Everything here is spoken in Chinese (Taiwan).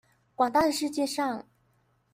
廣大的世界上